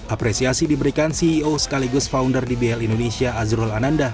apresiasi diberikan ceo sekaligus founder dbl indonesia azrul ananda